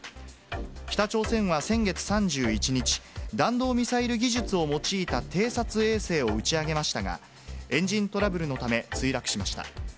北朝鮮は先月３１日、弾道ミサイル技術を用いた偵察衛星を打ち上げましたが、エンジントラブルのため墜落しました。